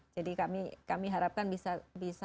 jadi kami harapkan bisa hit dua puluh persen